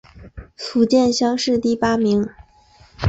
福建乡试第八名。